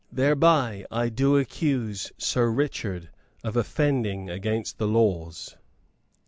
Thereby I do accuse Sir Richard of offending against the laws."